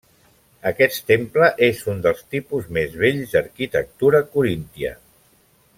Aquest temple és un dels tipus més bells d'arquitectura coríntia.